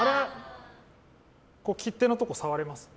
切手のところ触れます？